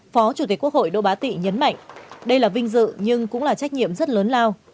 phó chủ tịch quốc hội đỗ bá tị nhấn mạnh đây là vinh dự nhưng cũng là trách nhiệm rất lớn lao